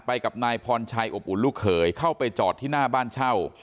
กับนายพรชัยอบอุ่นลูกเขยเข้าไปจอดที่หน้าบ้านเช่า